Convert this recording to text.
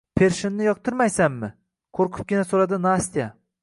Pershinni yoqtirmaysizmi? – qoʻrqibgina soʻradi Nastya.